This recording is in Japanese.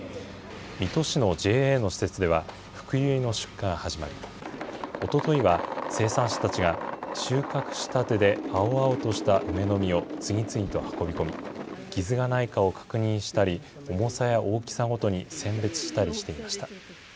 水戸市のＪＡの施設では、ふくゆいの出荷が始まり、おとといは生産者たちが、収穫したてで青々とした梅の実を、次々と運び込み、傷がないかを確認したり、重さや大きさごとに選別したりしていました。